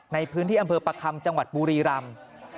ในพื้นที่อำเภอประคำจังหวัดบุรีรำ